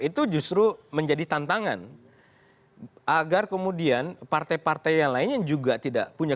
itu justru menjadi tantangan agar kemudian partai partai yang lain yang juga tidak punya